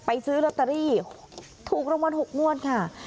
ซื้อลอตเตอรี่ถูกรางวัล๖งวดค่ะ